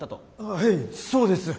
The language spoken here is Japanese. はいそうです。